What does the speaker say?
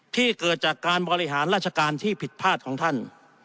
ที่เกิดจากการบริหารราชการที่ผิดพลาดของท่าน